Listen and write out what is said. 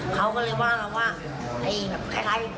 สมมติล้วุนลองกิจเขาก็บอกว่าต้องรับผิดชอบนะก็บอกอย่างนี้อีก